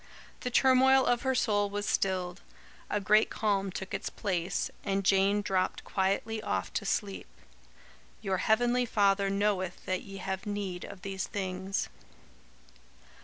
The turmoil of her soul was stilled; a great calm took its place, and Jane dropped quietly off to sleep. "Your heavenly Father knoweth that ye have need of these things."